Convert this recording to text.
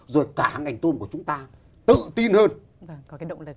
rồi cả ngành tôm của chúng ta tự tin hơn